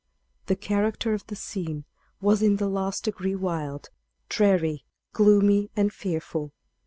The character of the scene was in the last degree wild, dreary, gloomy and fearful.